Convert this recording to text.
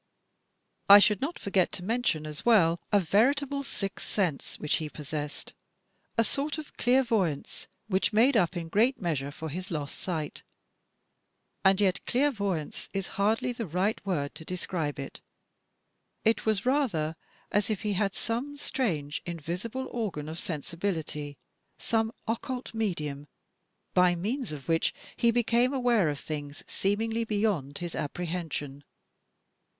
I should not[ forget to mention as well a veritable sixth sense which he possessed — a sort of clairvoyance which made up in great measure for his lost sight. And yet clairvoyance is hardly the right word to describe it. It was rather as if he had some strange invisi ble organ of sensibility, some occult medium, by means of which he became aware of things seemingly beyond his apprehension.